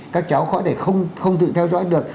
các cháu có thể không tự theo dõi được